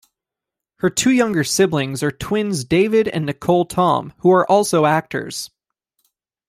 Her two younger siblings are twins David and Nicholle Tom, who are also actors.